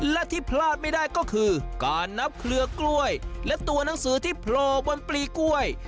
และที่พลาดไม่ได้ก็คือการนับเครือกล้วยและตัวหนังสือที่โผล่บนปลีกล้วย